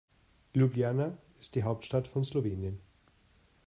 Ljubljana ist die Hauptstadt von Slowenien.